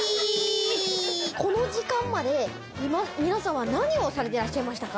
この時間まで皆さんは何をされてらっしゃいましたか？